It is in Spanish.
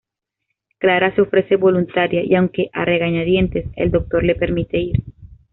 Clara se ofrece voluntaria, y aunque a regañadientes, el Doctor le permite ir.